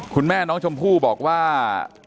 คุณแม่น้องชมพู่บอกว่า